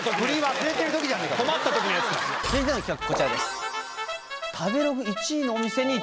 続いての企画こちらです。